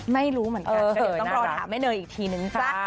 ไม่รู้เหมือนกันต้องรอถามแม่เนยอีกทีนึงจ๊ะ